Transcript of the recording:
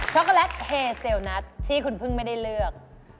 ็อกโกแลตเฮเซลนัทที่คุณพึ่งไม่ได้เลือก